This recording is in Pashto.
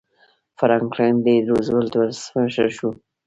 فرانکلن ډي روزولټ ولسمشر شو.